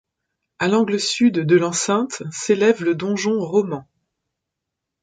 À l'angle sud de l'enceinte s'élève le donjon roman.